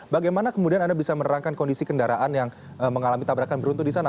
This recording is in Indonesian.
bagaimana kemudian anda bisa menerangkan kondisi kendaraan yang mengalami tabrakan beruntung di sana